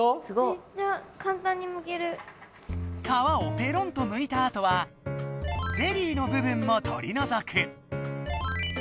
めっちゃ皮をペロンとむいたあとはゼリーの部分も取りのぞく！